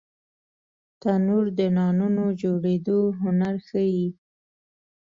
تنور د نانونو جوړېدو هنر ښيي